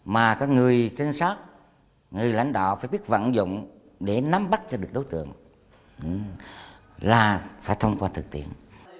mà các người trinh sát người lãnh đạo phải biết vận dụng để nắm bắt cho được đối tượng là phải thông qua thực tiện